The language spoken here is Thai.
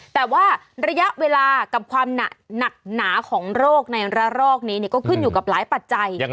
แต่ว่าระยะเวลากับความหนักหนาของโรคในระลอกนี้ก็ขึ้นอยู่กับหลายปัจจัย